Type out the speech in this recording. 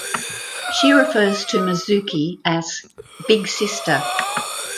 She refers to Mizuki as "Big Sister".